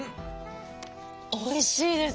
おいしいです。